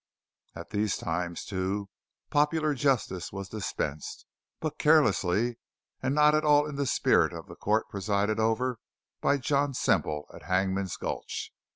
At these times, too, popular justice was dispensed, but carelessly and not at all in the spirit of the court presided over by John Semple at Hangman's Gulch.